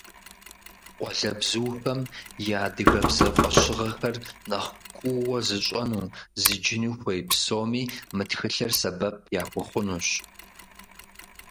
Къуалэбзухэм я адыгэбзэ фӏэщыгъэхэр нэхъ куууэ зыщӏэну, зыджыну хуей псоми мы тхылъыр сэбэп яхуэхъунущ.